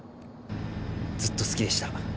ずっと好きでした